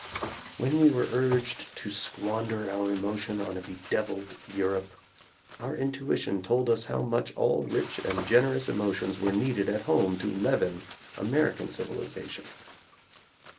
When we were urged to squander our emotion on a bedeviled Europe, our intuition told us how much all rich and generous emotions were needed at home to leaven American civilization.